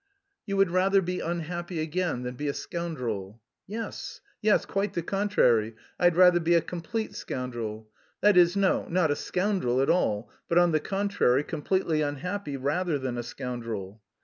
"You would rather be unhappy again than be a scoundrel?" "Yes, yes.... Quite the contrary.... I'd rather be a complete scoundrel... that is no... not a scoundrel at all, but on the contrary completely unhappy rather than a scoundrel."